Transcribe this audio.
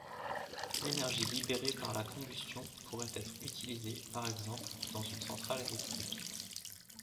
L'énergie libérée par la combustion pourrait être utilisée, par exemple dans une centrale électrique.